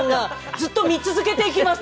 ずっと見続けていきます